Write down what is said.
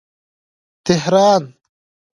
تهران